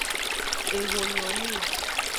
Eho nyo ni.